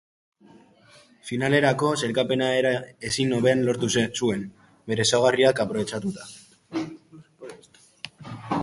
Finalerako sailkapena era ezin hobean lortu zuen, bere ezaugarriak aprobetxatuta.